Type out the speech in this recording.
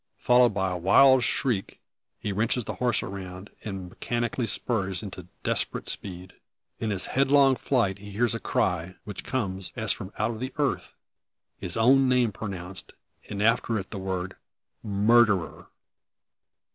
followed by a wild shriek, he wrenches the horse around, and mechanically spurs into desperate speed. In his headlong flight he hears a cry, which comes as from out the earth his own name pronounced, and after it, the word "murderer!"